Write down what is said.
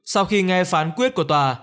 sau khi nghe phán quyết của tòa